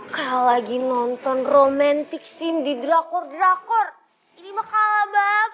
kalo lagi nonton romantic scene di drakor drakor ini mah kalah banget